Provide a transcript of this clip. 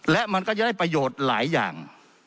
และมันก็จะได้ประโยชน์หลายอย่าง